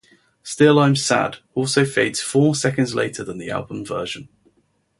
"Still I'm Sad" also fades four seconds later than the album version.